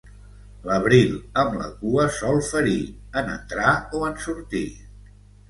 L'abril amb la cua sol ferir, en entrar o en sortir.